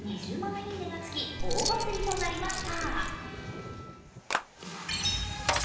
いいねがつき、大バズリとなりました。